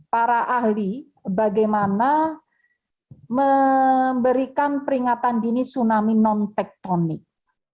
para ahli bagaimana memberikan peringatan dini tsunami non tektonik